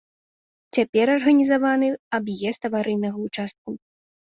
Цяпер арганізаваны аб'езд аварыйнага ўчастку.